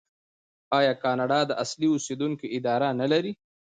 آیا کاناډا د اصلي اوسیدونکو اداره نلري؟